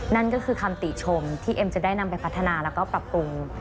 นั่นก็คือคำติชมที่เอ็มจะได้นำไปพัฒนาแล้วก็ปรับปรุง